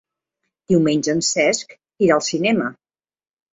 Diumenge en Cesc irà al cinema.